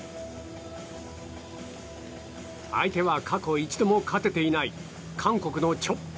相手は過去一度も勝てていない韓国のチョ。